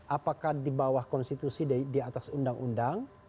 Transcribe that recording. apakah di bawah konstitusi di atas undang undang